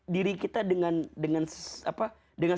diri kita dengan